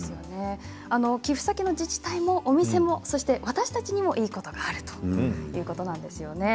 寄付先の自治体もお店も私たちにもいいことがあるということなんです。